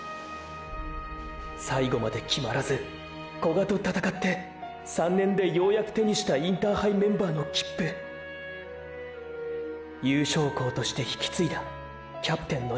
最後まで決まらず古賀と闘って３年でようやく手にしたインターハイメンバーの切符優勝校として引き継いだキャプテンの重責。